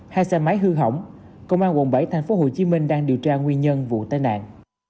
hai xe máy hư hỏng công an quận bảy tp hcm đang điều tra nguyên nhân vụ tai nạn